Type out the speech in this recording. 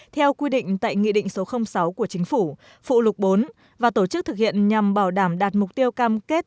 theo quy định tại nghị định số sáu của chính phủ phụ lục bốn và tổ chức thực hiện nhằm bảo đảm đạt mục tiêu cam kết